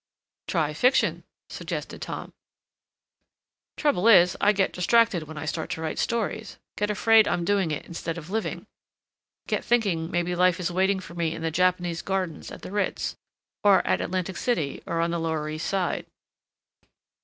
"Try fiction," suggested Tom. "Trouble is I get distracted when I start to write stories—get afraid I'm doing it instead of living—get thinking maybe life is waiting for me in the Japanese gardens at the Ritz or at Atlantic City or on the lower East Side.